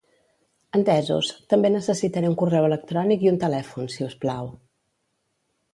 Entesos, també necessitaré un correu electrònic i un telèfon, si us plau.